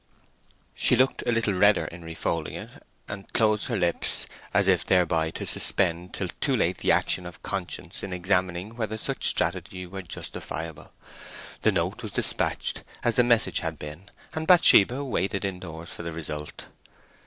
_" She looked a little redder in refolding it, and closed her lips, as if thereby to suspend till too late the action of conscience in examining whether such strategy were justifiable. The note was despatched as the message had been, and Bathsheba waited indoors for the result.